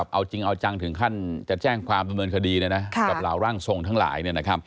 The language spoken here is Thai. เอาจริงเอาจังถึงขั้นจะแจ้งความดำเนินคดีกับเหล่าร่างทรงทั้งหลาย